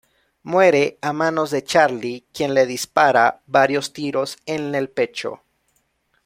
Muere a manos de Charlie, quien le dispara varios tiros en el pecho.